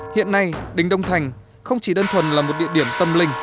hiện nay đình đông thành không chỉ đơn thuần là một địa điểm tâm linh